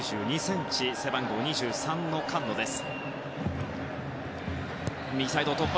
１９２ｃｍ、背番号２３のカンノです。